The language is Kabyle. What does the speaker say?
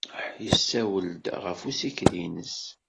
Yessawel-d ɣef ussikel-nnes.